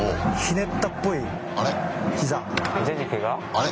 あれ？